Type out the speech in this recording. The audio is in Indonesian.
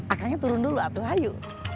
akannya turun dulu abdul hayu